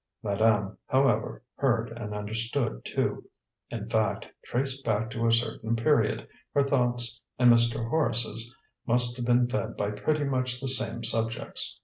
Madame, however, heard and understood too; in fact, traced back to a certain period, her thoughts and Mr. Horace's must have been fed by pretty much the same subjects.